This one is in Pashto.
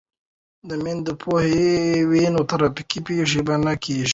که میندې پوهې وي نو ترافیکي پیښې به نه کیږي.